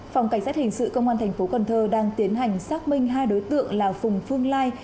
phòng cảnh sát hình sự công an tp cn đang tiến hành xác minh hai đối tượng là phùng phương lai